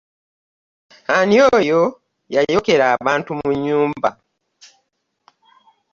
Ani oyo yayokera abantu mu nnyumba?